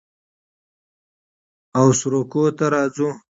او سروکو ته راځو